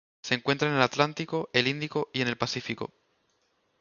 Se encuentra en el Atlántico, el Índico y en el Pacífico.